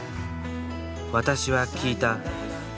私は聞いた。